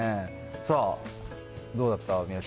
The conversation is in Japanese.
さあ、どうだった？